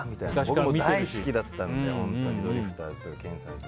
僕、大好きだったのでドリフターズとか。